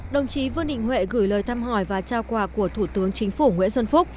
đồng chí vương đình huệ gửi lời thăm hỏi và trao quà của thủ tướng chính phủ nguyễn xuân phúc